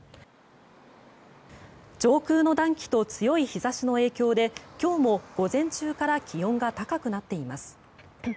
上空の暖気と強い日差しの影響で今日も午前中から気温が高くなっています。